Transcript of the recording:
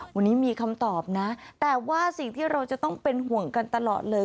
วันนี้มีคำตอบนะแต่ว่าสิ่งที่เราจะต้องเป็นห่วงกันตลอดเลย